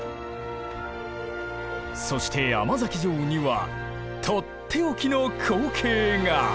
そして甘崎城にはとっておきの光景が！